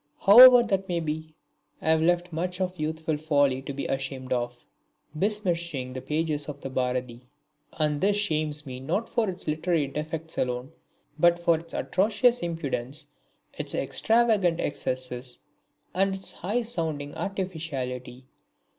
However that may be, I have left much of youthful folly to be ashamed of, besmirching the pages of the Bharati; and this shames me not for its literary defects alone but for its atrocious impudence, its extravagant excesses and its high sounding artificiality.